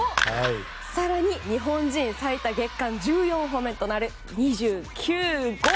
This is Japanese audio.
更に、日本人最多月間１４本目となる２９号。